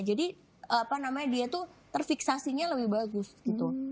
jadi apa namanya dia tuh terfiksasinya lebih bagus gitu